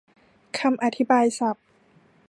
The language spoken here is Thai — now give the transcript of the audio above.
คำอธิบายศัพท์